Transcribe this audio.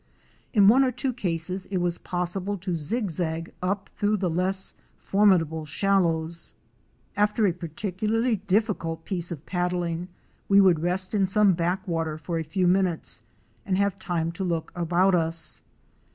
In one or two cases it was possible to zigzag up through the less formidable shallows. After a particularly difficult piece of paddling we would rest in some backwater for a few minutes and have time to look about us.